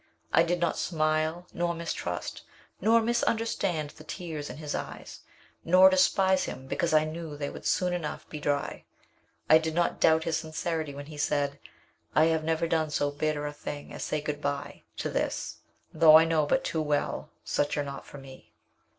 I did not smile nor mistrust, nor misunderstand the tears in his eyes, nor despise him because I knew they would soon enough be dry. I did not doubt his sincerity when he said, "I have never done so bitter a thing as say 'good bye' to this though I know but too well such are not for me."